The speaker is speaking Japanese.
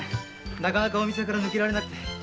なかなかお店から抜けられなくて。